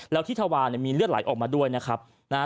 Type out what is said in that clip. แล้วที่ทวาเนี่ยมีเลือดไหลออกมาด้วยนะครับนะฮะ